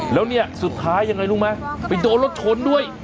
แล้วเนี่ยสุดท้ายยังไงรู้ไหมไปโดนรถชนด้วย